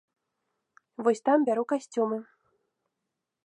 Вось там бяру касцюмы.